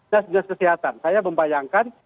dan desa kesehatan saya membayangkan